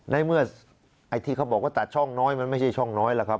ในเมื่อไอ้ที่เขาบอกว่าตัดช่องน้อยมันไม่ใช่ช่องน้อยล่ะครับ